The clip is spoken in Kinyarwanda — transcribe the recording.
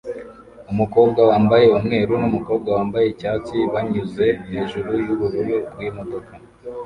Umukobwa wambaye umweru numukobwa wambaye icyatsi banyuze hejuru yubururu bwimodoka